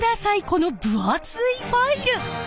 この分厚いファイル！